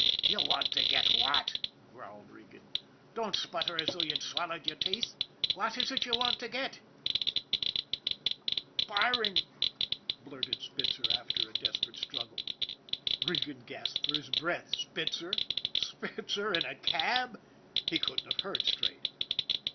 " You want to get what ?" growled Regan. " Don't sputter as though you'd swallowed your teeth. What is it you want to get ?"" Firing," blurted Spitzer after a desperate struggle. Regan gasped for his breath. Spitzer! SPITZER in a cab ! He couldn't have heard straight.